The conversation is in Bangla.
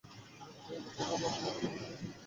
এভাবে আপনি আপনার গন্তব্যস্থল পৌঁছতে পারবেন।